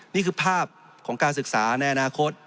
นี่คือภาพของการศึกษาในอนาคต